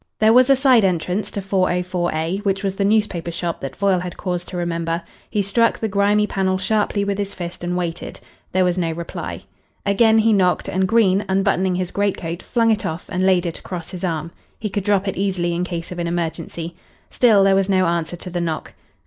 There was a side entrance to 404A, which was the newspaper shop that Foyle had cause to remember. He struck the grimy panel sharply with his fist and waited. There was no reply. Again he knocked, and Green, unbuttoning his greatcoat, flung it off and laid it across his arm. He could drop it easily in case of an emergency. Still there was no answer to the knock.